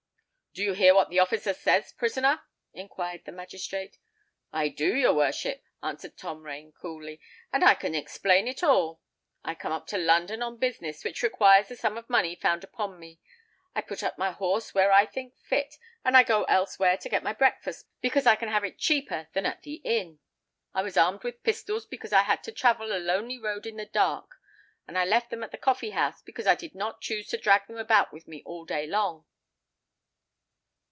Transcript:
"Do you hear what the officer says, prisoner?" inquired the magistrate. "I do, your worship," answered Tom Rain, coolly; "and I can explain it all. I come up to London on business, which requires the sum of money found upon me. I put up my horse where I think fit; and I go elsewhere to get my breakfast, because I can have it cheaper than at the inn. I was armed with pistols because I had to travel a lonely road in the dark; and I left them at the coffee house because I did not choose to drag them about with me all day long."